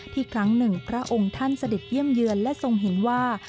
ครั้งหนึ่งพระองค์ท่านเสด็จเยี่ยมเยือนและทรงเห็นว่า